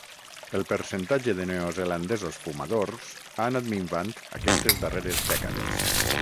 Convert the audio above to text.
El percentatge de neozelandesos fumadors ha anat minvant aquestes darreres dècades.